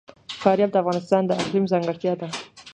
فاریاب د افغانستان د اقلیم ځانګړتیا ده.